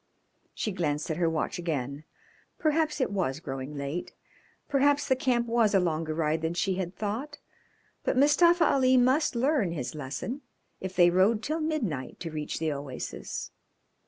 She glanced at her watch again. Perhaps it was growing late, perhaps the camp was a longer ride than she had thought; but Mustafa Ali must learn his lesson if they rode till midnight to reach the oasis.